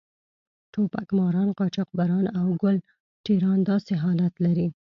ټوپک ماران، قاچاقبران او ګل ټېران داسې حالت لري.